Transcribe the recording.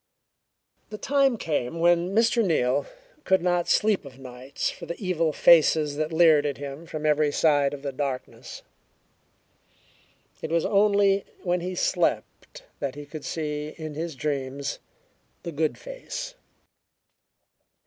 The time came when Mr. Neal could not sleep of nights for the evil faces that leered at him from every side out of the darkness. It was only when he slept that he could see, in his dreams, the "good face."